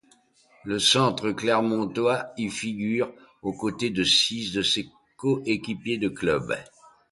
Le centre clermontois y figure aux côtés de six de ses coéquipiers de club.